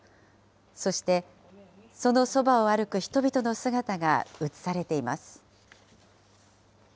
そして、そのそばを歩く人々の姿が写されています。